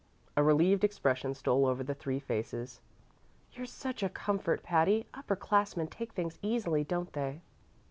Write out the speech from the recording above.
A relieved expression stole over the three faces. "You're such a comfort, Patty. Upper classmen take things easily, don't they?"